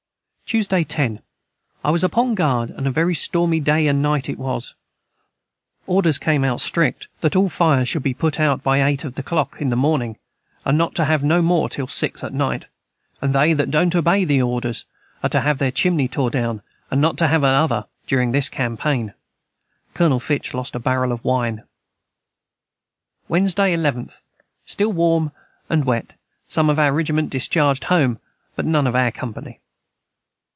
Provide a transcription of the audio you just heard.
Tuesday 10. I was upon Guard and a very stormy day & Night it was orders came out strickt that all fires should be put out by 8 of the clock in the morning and not to have no more til 6 at night & they that dont obey the orders are to have their chimney tore down & not to have no other during this campaign Colonel Fitch lost a Barrel of wine. Wednesday 11th. Stil warm & wet som of our Rigiment discharged Home but none of our company.